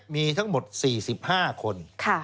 มีทั้งหมด๔๕คน